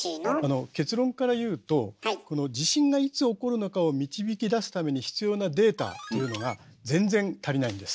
結論から言うとこの地震がいつ起こるのかを導き出すために必要なデータというのが全然足りないんです。